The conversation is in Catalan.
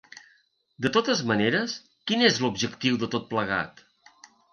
De totes maneres, quin és l’objectiu de tot plegat?